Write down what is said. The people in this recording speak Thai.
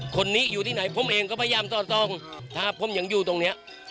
คนนี้อยู่ที่ไหนผมเองก็พยายามสอดส่องถ้าผมยังอยู่ตรงเนี้ย